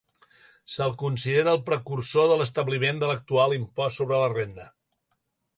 Se'l considera el precursor de l'establiment de l'actual impost sobre la renda.